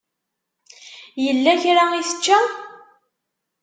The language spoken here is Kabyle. Yella kra i tečča?